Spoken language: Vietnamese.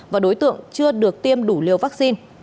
và đối tượng chưa được tiêm đủ liều vaccine